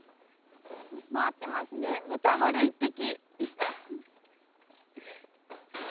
回ってますね、豚まる一匹。